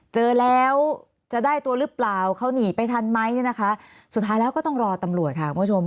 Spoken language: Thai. เจอแล้วจะได้ตัวหรือเปล่าเขาหนีไปทันไหมเนี่ยนะคะสุดท้ายแล้วก็ต้องรอตำรวจค่ะคุณผู้ชม